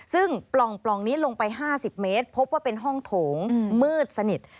ซึ่งปล่องนี้ลงไป๕๐เมตรพบว่าเป็นห้องโถงมืดสนิท